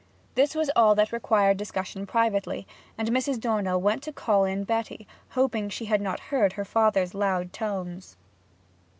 This was all that required discussion privately, and Mrs. Dornell went to call in Betty, hoping that she had not heard her father's loud tones.